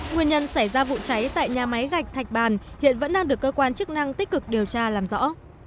nguyên nhân xảy ra vụ cháy tại nhà máy gạch bàn hiện vẫn đang được cơ quan chức năng tích cực điều tra làm rõ